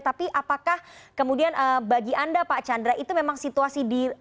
tapi apakah kemudian bagi anda pak chandra itu memang situasi di